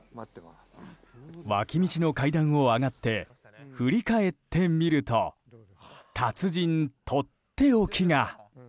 脇道の階段を上がって振り返ってみると達人とっておきが。